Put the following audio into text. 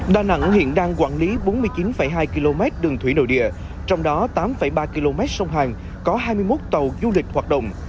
đà nẵng hiện đang quản lý bốn mươi chín hai km đường thủy nội địa trong đó tám ba km sông hàn có hai mươi một tàu du lịch hoạt động